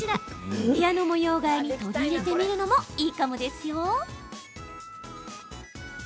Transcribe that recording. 部屋の模様替えに取り入れてみるのもいいかもですよ。